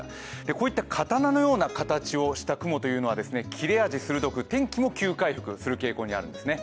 こういった刀のような形をした雲というのは切れ味鋭く、天気も急展開する傾向にあるんですね。